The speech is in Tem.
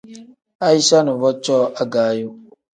Aicha nuvo cooo agaayo.